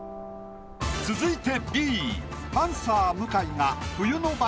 続いて。